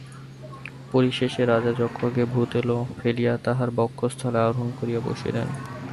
পরিশেষে রাজা যক্ষকে ভূতলে ফেলিয়া তাহার বক্ষঃস্থলে আরোহণ করিয়া বসিলেন।